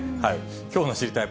きょうの知りたいッ！